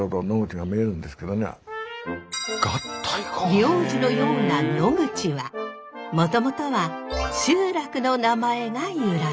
名字のような野口はもともとは集落の名前が由来。